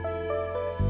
ya udah mama doain